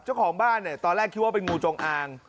เจ้าของบ้านเนี่ยตอนแรกคิดว่าเป็นงูจงอาง